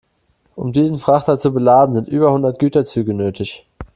Um diesen Frachter zu beladen, sind über hundert Güterzüge nötig.